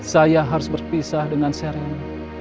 saya harus berpisah dengan sherin